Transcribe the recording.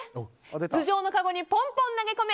頭上のカゴにポンポン投げ込め！